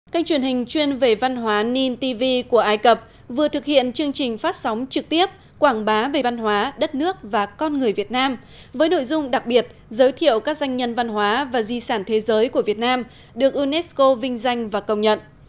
kênh truyền hình chuyên về văn hóa nintv của ai cập vừa thực hiện chương trình phát sóng trực tiếp quảng bá về văn hóa đất nước và con người việt nam với nội dung đặc biệt giới thiệu các danh nhân văn hóa và di sản thế giới của việt nam được unesco vinh danh và công nhận